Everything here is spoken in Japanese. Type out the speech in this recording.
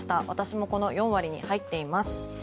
私もこの４割に入っています。